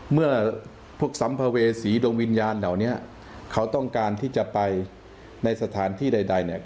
เมื่อพวกสัมภเวษีดวงวิญญาณเหล่านี้เขาต้องการที่จะไปในสถานที่ใดเนี่ย